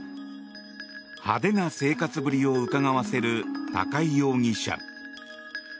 派手な生活ぶりをうかがわせる高井容疑者。